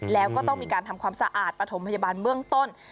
แล้วก็ต้องมีการทำความสะอาดปฐมพยาบาลเบื้องต้น